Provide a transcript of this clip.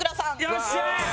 よっしゃー！